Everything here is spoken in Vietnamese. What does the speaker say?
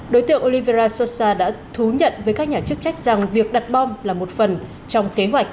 đối tượng olivera sosa đã thú nhận với các nhà chức trách rằng việc đặt bom là một phần trong kế hoạch